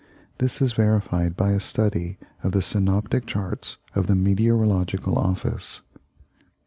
This is verified by a study of the synoptic charts of the Meteorological Office.